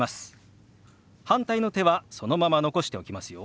反対の手はそのまま残しておきますよ。